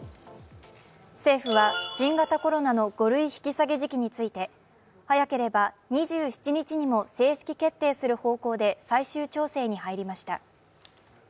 政府は新型コロナの５類引き下げ時期について、早ければ２７日にも正式決定する方向で最終調整に入りました。